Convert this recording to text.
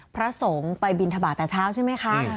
พระสงฆ์ไปบินทบาทแต่เช้าใช่ไหมคะ